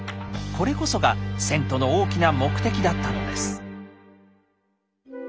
これこそが遷都の大きな目的だったのです。